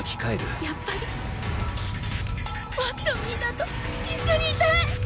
やっぱりもっとみんなと一緒にいたい！